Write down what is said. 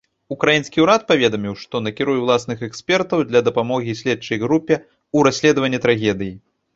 Украінскі ўрад паведаміў, што накіруе ўласных экспертаў для дапамогі следчай групе ў расследаванні трагедыі.